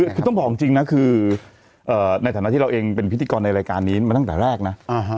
คือต้องบอกจริงนะคือในฐานะที่เราเองเป็นพิธีกรในรายการนี้มาตั้งแต่แรกนะ